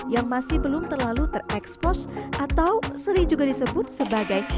yang masih belum terlalu terekspos atau sering juga disebut sebagai